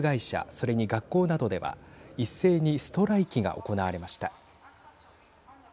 それに学校などでは一斉にストライキが行われました。